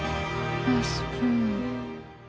スプーン。